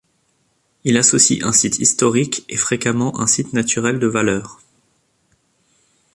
Il associe un site historique et fréquemment un site naturel de valeur.